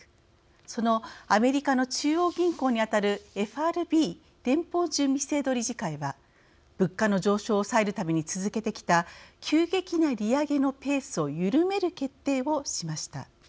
そのアメリカの中央銀行に当たるＦＲＢ＝連邦準備制度理事会は物価の上昇を抑えるために続けてきた急激な利上げのペースを緩める決定をしました。